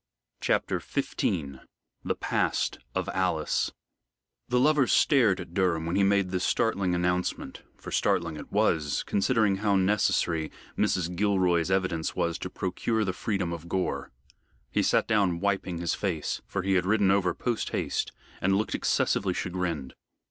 CHAPTER XV THE PAST OF ALICE The lovers stared at Durham when he made this startling announcement, for startling it was, considering how necessary Mrs. Gilroy's evidence was to procure the freedom of Gore. He sat down wiping his face for he had ridden over post haste and looked excessively chagrined.